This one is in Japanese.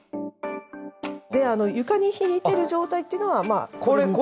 床に敷いてる状態っていうのはまあこれに近いかな。